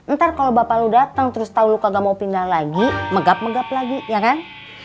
ntar kalo bapak lu dateng terus tau lu kagak mau pindah lagi megap megap lagi ya kan